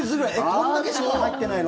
こんだけしか入ってないの？